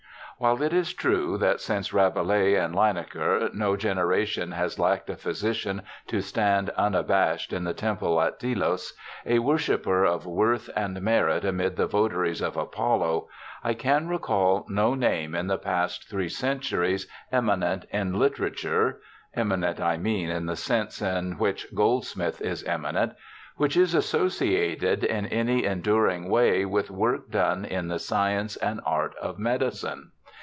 While it is true that since Rabelais and Linacre no generation has lacked a physician to stand unabashed in the temple at Delos, a worshipper of worth and merit amid the votaries of Apollo, I can recall no name in the past three centuries eminent in literature— eminent, I mean, in the sense in which Goldsmith is eminent— which is associated in any enduring way with work done in the science and art of medicine.